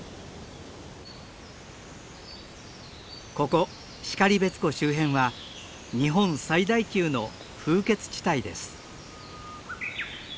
ここ然別湖周辺は日本最大級の風穴地帯です。